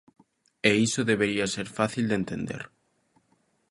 E iso debería ser fácil de entender.